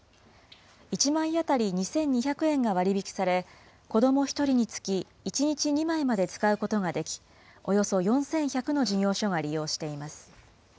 １枚当たり２２００円が割り引きされ、子ども１人につき、１日２枚まで使うことができ、およそ４１００の事業所が利用しています。